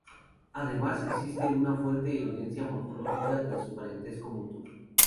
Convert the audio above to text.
Además existe una fuerte evidencia morfológica de su parentesco mutuo.